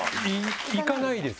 行かないです